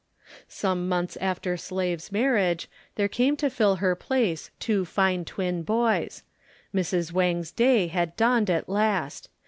Some months after Slave's marriage, there came to fill her place two fine twin boys. Mrs. Wang's day had dawned at last.